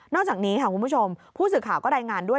อกจากนี้ค่ะคุณผู้ชมผู้สื่อข่าวก็รายงานด้วย